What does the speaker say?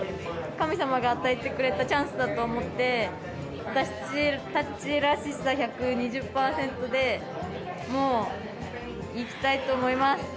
神様が与えてくれたチャンスだと思って、私たちらしさ１２０％で、もういきたいと思います。